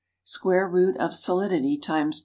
Square root of solidity ×.